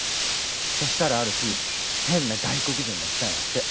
そしたらある日変な外国人が来たんやって。